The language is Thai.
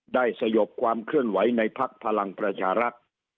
สยบความเคลื่อนไหวในภักดิ์พลังประชารักษ์